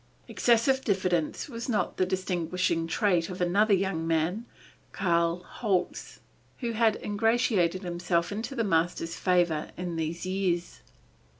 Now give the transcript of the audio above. Excessive diffidence was not the distinguishing trait of another young man, Karl Holz, who had ingratiated himself into the master's favor in these years.